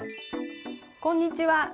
こんにちは。